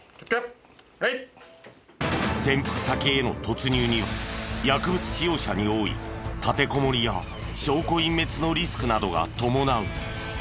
潜伏先への突入には薬物使用者に多い立てこもりや証拠隠滅のリスクなどが伴う。